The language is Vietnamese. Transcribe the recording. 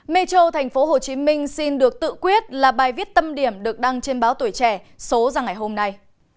metro tp hcm xin được tự quyết là bài viết tâm điểm được đăng trên báo tuổi trẻ số ra ngày hôm nay